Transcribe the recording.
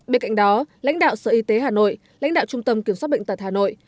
bên cạnh đó lãnh đạo sở y tế hà nội lãnh đạo trung tâm kiểm soát bệnh tật hà nội